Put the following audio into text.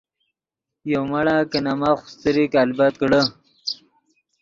یو مڑا کہ نے ماف خوستریک البت کڑے۔